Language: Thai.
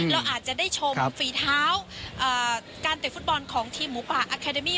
เราอาจจะได้ชมฝีเท้าการเตะฟุตบอลของทีมหมูป่าอาคาเดมี่